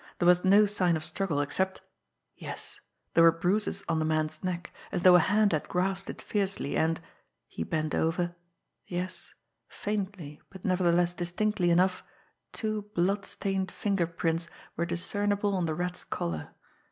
There was no sign of struggle, except yes there were bruises on the man's neck, as though a hand had grasped it fiercely, and he bent over yes, faintly, but nevertheless distinctly enough, two blood stained finger prints were discernible on the Rat's collar.